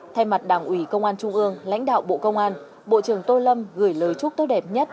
thay mặt đảng ủy công an trung ương lãnh đạo bộ công an bộ trưởng tô lâm gửi lời chúc tốt đẹp nhất